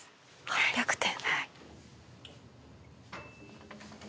８００点。